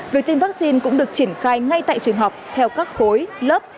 việc tiêm vaccine cũng được triển khai ngay tại trường học theo các khối lớp